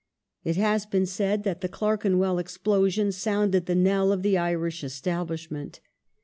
It has been said that the Clerken well explosion sounded the knell of the Irish Establishment.